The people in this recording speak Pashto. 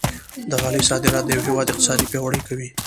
د غالۍ صادرات د هېواد اقتصاد پیاوړی کوي.